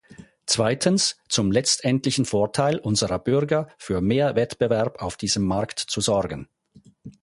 Zweitens, zum letztendlichen Vorteil unserer Bürger für mehr Wettbewerb auf diesem Markt zu sorgen.